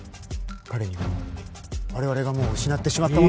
彼には我々がもう失ってしまったものを。